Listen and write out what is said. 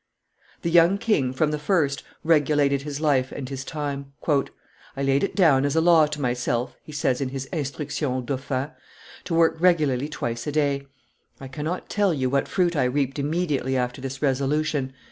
The young king, from the first, regulated his life and his time: "I laid it down as a law to myself," he says in his Instructions au Dauphin, "to work regularly twice a day. I cannot tell you what fruit I reaped immediately after this resolution.